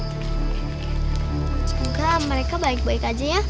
semoga mereka baik baik aja ya